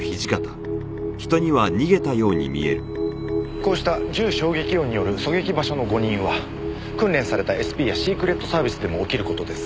こうした銃衝撃音による狙撃場所の誤認は訓練されたＳＰやシークレットサービスでも起きる事です。